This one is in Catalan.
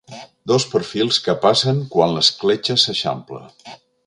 Dos perfils que passen quan l'escletxa s'eixampla.